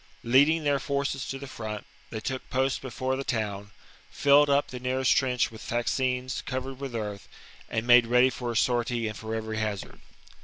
Leading their forces to the front, they took post before the town, filled up the nearest trench with fascines covered with earth, and made ready for a sortie and for every hazard.